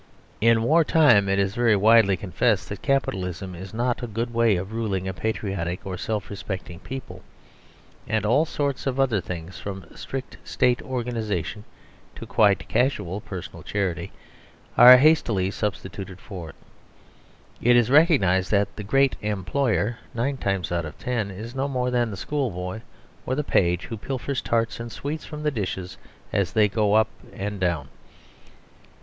In war time it is very widely confessed that Capitalism is not a good way of ruling a patriotic or self respecting people, and all sorts of other things, from strict State organisation to quite casual personal charity, are hastily substituted for it. It is recognised that the "great employer," nine times out of ten, is no more than the schoolboy or the page who pilfers tarts and sweets from the dishes as they go up and down.